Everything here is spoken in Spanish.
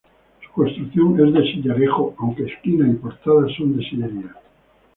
Su construcción es de sillarejo aunque esquinas y portada son de sillería.